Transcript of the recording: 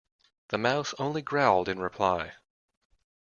The Mouse only growled in reply.